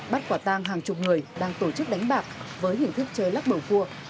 bắt quả tang hàng chục người đang tổ chức đánh bạc với hình thức chơi lắc bầu cua